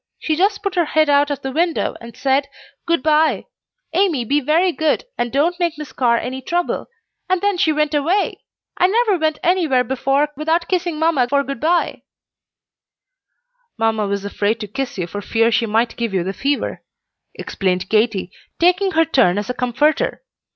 She just put her head out of the window and said, 'Good by; Amy, be very good, and don't make Miss Carr any trouble,' and then she went away. I never went anywhere before without kissing mamma for good by." "Mamma was afraid to kiss you for fear she might give you the fever," explained Katy, taking her turn as a comforter.